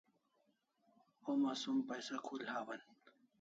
Homa som paisa khul hawan